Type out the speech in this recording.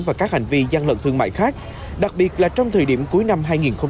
và các hành vi gian lận thương mại khác đặc biệt là trong thời điểm cuối năm hai nghìn hai mươi ba